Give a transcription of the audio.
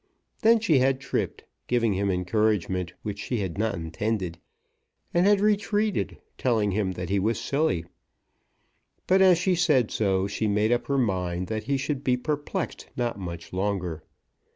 Then she had tripped, giving him encouragement which she did not intend, and had retreated, telling him that he was silly. But as she said so she made up her mind that he should be perplexed not much longer.